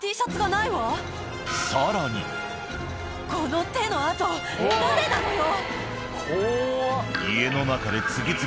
さらにこの手の跡誰なのよ